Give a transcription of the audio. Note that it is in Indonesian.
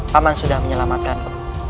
paman sudah menyelamatkan aku